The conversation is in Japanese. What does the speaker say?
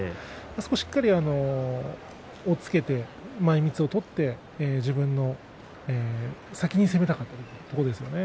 しっかり押っつけて前みつを取って自分の先に攻めたかったというところですよね。